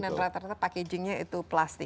dan ternyata packagingnya itu plastik